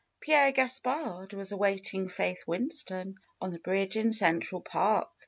Pierre Gaspard was awaiting Faith Winston on the bridge in Central Park.